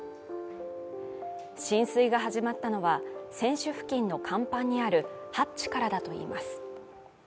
浸水が始まったのは船種付近の甲板にあるハッチからだといいます。